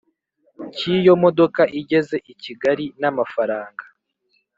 cy iyo modoka igeze i Kigali n amafaranga